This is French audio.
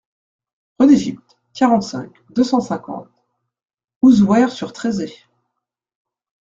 Rue d'Égypte, quarante-cinq, deux cent cinquante Ouzouer-sur-Trézée